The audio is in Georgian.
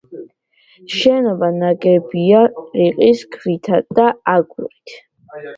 შენობა ნაგებია რიყის ქვითა და აგურით.